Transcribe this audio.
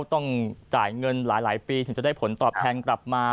ต้องจ่ายเงินหลายปีถึงจะได้ผลตอบแทนกลับมา